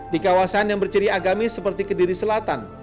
di kawasan yang berciri agamis seperti kediri selatan